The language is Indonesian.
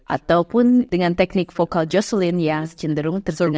ataupun dengan teknik vokal jocelyn yang cenderung terdengar lebih